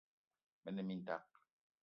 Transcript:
Me ne mintak